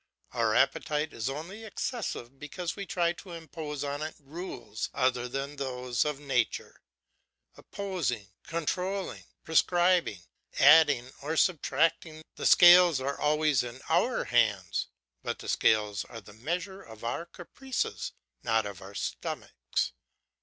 Our appetite is only excessive because we try to impose on it rules other than those of nature, opposing, controlling, prescribing, adding, or substracting; the scales are always in our hands, but the scales are the measure of our caprices not of our stomachs.